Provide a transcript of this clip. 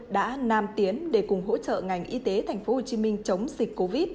đã nam tiến để cùng hỗ trợ ngành y tế tp hcm chống dịch covid một mươi chín